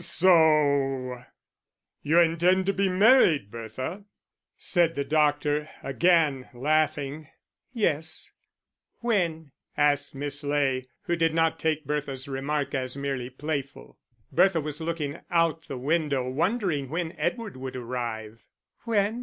"So you intend to be married, Bertha?" said the doctor, again laughing. "Yes." "When?" asked Miss Ley, who did not take Bertha's remark as merely playful. Bertha was looking out the window, wondering when Edward would arrive. "When?"